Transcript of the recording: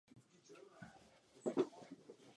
Jeho stopa se dále ztrácí.